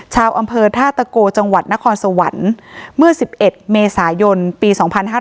ชาวอำเภอท่าตะโกจังหวัดนครสวรรค์เมื่อ๑๑เมษายนปี๒๕๕๙